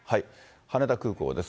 羽田空港です。